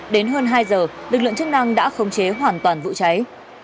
đến hơn hai giờ lực lượng chức năng đã khống chế hoàn toàn vụ cháy